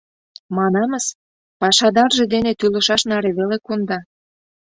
— Манамыс, пашадарже дене тӱлышаш наре веле конда.